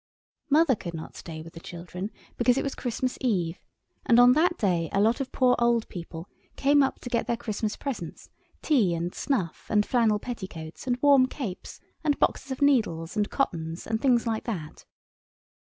Mother could not stay with the children, because it was Christmas Eve, and on that day a lot of poor old people came up to get their Christmas presents, tea and snuff, and flannel petticoats, and warm capes, and boxes of needles and cottons and things like that.